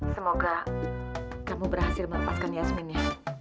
semoga kamu berhasil melepaskan yasmin ya